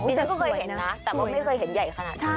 ฉันก็เคยเห็นนะแต่ว่าไม่เคยเห็นใหญ่ขนาดนี้